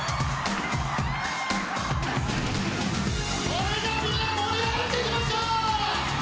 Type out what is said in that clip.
それじゃあみんな盛り上がっていきましょう！